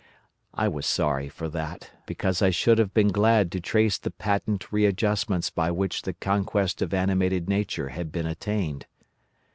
I was sorry for that, because I should have been glad to trace the patient readjustments by which the conquest of animated nature had been attained.